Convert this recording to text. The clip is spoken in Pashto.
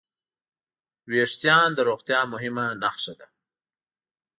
وېښتيان د روغتیا مهمه نښه ده.